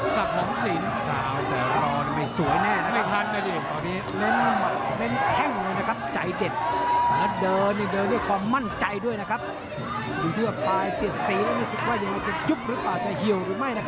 สักหลองสินสวยแน่นะครับไม่ทันนะจริง